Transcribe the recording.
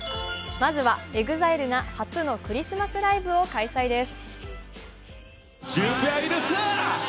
まずはＥＸＩＬＥが初のクリスマスライブを開催です。